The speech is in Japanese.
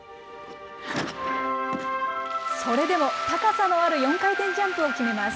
それでも高さのある４回転ジャンプを決めます。